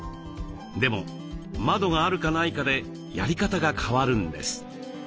でも窓があるかないかでやり方が変わるんです。